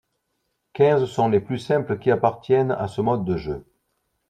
Quinze sont les plus simples qui appartiennent à ce mode de jeu.